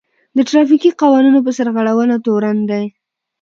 د ټرافيکي قوانينو په سرغړونه تورن دی.